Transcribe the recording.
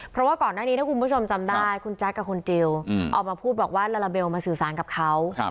เพราะว่าก่อนหน้านี้ถ้าคุณผู้ชมจำได้คุณแจ๊คกับคุณจิลออกมาพูดบอกว่าลาลาเบลมาสื่อสารกับเขา